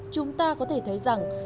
chúng ta có thể thấy rằng